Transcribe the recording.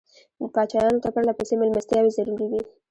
پاچایانو ته پرله پسې مېلمستیاوې ضروري وې.